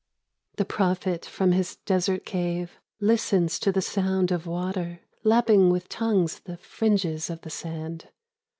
THE prophet from his desert cave Listens to the «ound of water Lapping with tongues the fringes of the sand.